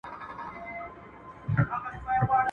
o اسمان به ولاړ وي ، لاټ به مردار وي